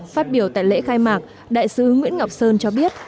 phát biểu tại lễ khai mạc đại sứ nguyễn ngọc sơn cho biết